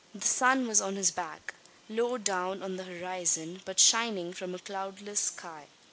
The sun was on his back, low down on the horizon, but shining from a cloudless sky.